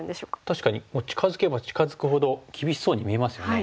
確かに近づけば近づくほど厳しそうに見えますよね。